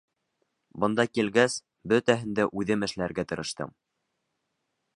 Бында килгәс, бөтәһен дә үҙем эшләргә тырыштым.